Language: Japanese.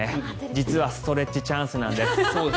実はストレッチチャンスなんです。